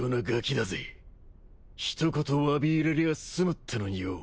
一言わび入れりゃあ済むってのによ。